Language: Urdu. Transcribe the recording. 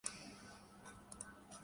صحافت ایک غریب پروفیشن ہوا کرتاتھا۔